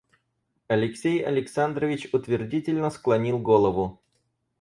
Алексей Александрович утвердительно склонил голову.